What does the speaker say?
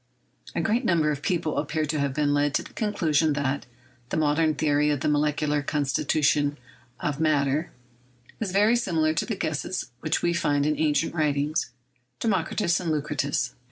... A great number of people appear to have been led to the conclusion that [the modern theory of the molecular constitution of matter] is very similar to the guesses which we find in ancient writers — Democritus and Lucretius.